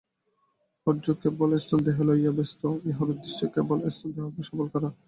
হঠযোগ কেবল স্থূলদেহ লইয়াই ব্যস্ত, ইহার উদ্দেশ্য কেবল স্থূলদেহকে সবল করা।